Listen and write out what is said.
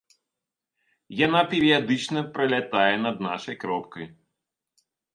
Яна перыядычна пралятае над нашай кропкай.